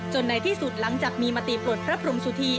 ในที่สุดหลังจากมีมติปลดพระพรมสุธี